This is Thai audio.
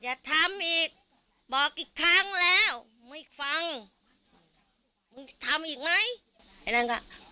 อย่าทำอีกบอกอีกครั้งแล้วไม่ฟังมึงทำอีกไหมไอ้นั่นก็